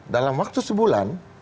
dalam waktu sebulan